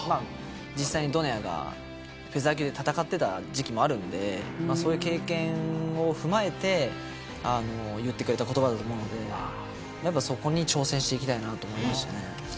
実際にドネアがフェザー級で戦っていた時期もあるのでそういう経験を踏まえて言ってくれた言葉だと思うのでそこに挑戦していきたいなと思いますね。